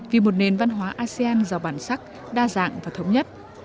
vì một nền văn hóa asean giàu bản sắc đa dạng và thống nhất